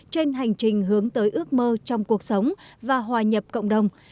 trên hành trình hướng tới ước mơ trong cuộc sống và hòa nhập cộng đồng